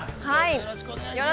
よろしくお願いします。